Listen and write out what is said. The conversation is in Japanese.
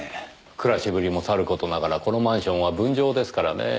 暮らしぶりもさる事ながらこのマンションは分譲ですからねぇ。